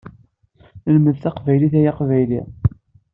Lmed taqbaylit ay aqbayli!